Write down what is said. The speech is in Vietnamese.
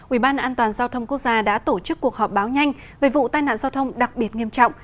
ubndgqg đã tổ chức cuộc họp báo nhanh về vụ tai nạn giao thông đặc biệt nghiêm trọng